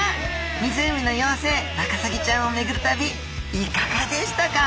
湖の妖精ワカサギちゃんをめぐる旅いかがでしたか？